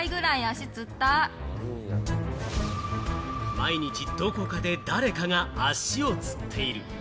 毎日どこかで誰かが足をつっている。